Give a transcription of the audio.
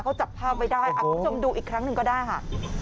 ก็จับภาพไปได้อ้าวจมดูอีกครั้งหนึ่งก็ได้ค่ะ